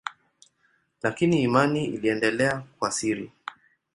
Lakini imani iliendelea kwa siri.